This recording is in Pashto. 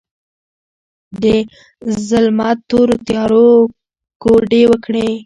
د ظلمت تورو تیارو، کوډې وکړې